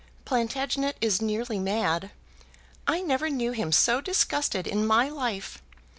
Plantagenet is nearly mad. I never knew him so disgusted in my life.